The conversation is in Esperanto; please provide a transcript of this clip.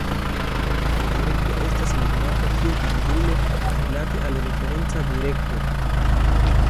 La direkto estas mezurata kiel angulo rilate al referenca direkto.